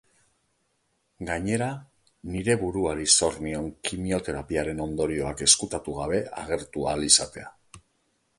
Gainera, nire buruari zor nion kimioterapiaren ondorioak ezkutatu gabe agertu ahal izatea.